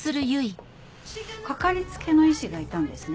かかりつけの医師がいたんですね？